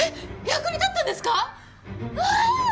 役に立ったんですか？